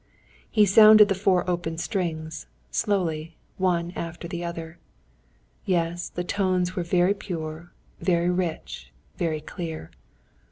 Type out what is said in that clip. He sounded the four open strings, slowly, one after the other. Yes, the tones were very pure, very rich, very clear.